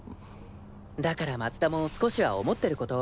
だから松田も少しは思ってること。